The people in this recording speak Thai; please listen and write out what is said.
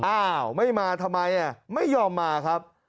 อ้าวไม่มาทำไมไม่ยอมมาครับ